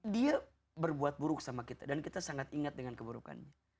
dia berbuat buruk sama kita dan kita sangat ingat dengan keburukannya